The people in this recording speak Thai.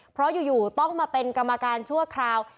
เพราะอยู่ต้องมาเป็นกรรมการชั่วคราว